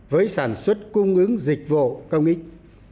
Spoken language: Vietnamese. với sản xuất cung ứng dịch vụ công ích